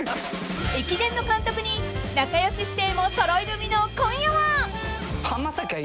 ［駅伝の監督に仲良し師弟も揃い踏みの今夜は！］